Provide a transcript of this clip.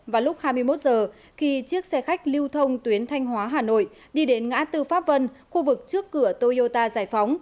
vào lúc hai mươi một giờ khi chiếc xe khách lưu thông tuyến thanh hóa hà nội đi đến ngã tư pháp vân khu vực trước cửa toyota giải phóng